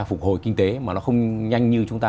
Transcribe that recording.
phục hồi kinh tế mà nó không nhanh như chúng ta